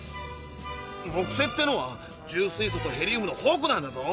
木星ってのは重水素とヘリウムの宝庫なんだぞ！